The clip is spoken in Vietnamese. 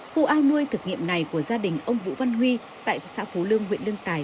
khu ao nuôi thực nghiệm này của gia đình ông vũ văn huy tại xã phú lương huyện lương tài